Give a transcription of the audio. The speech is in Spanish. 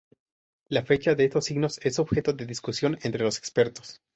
La fecha de estos signos es objeto de discusión entre los expertos.